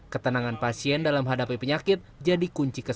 ketenangan pasien dalam menghadapi penyakit jadi kunci kesehatan